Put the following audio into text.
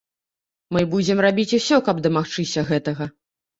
Мы будзем рабіць усё, каб дамагчыся гэтага.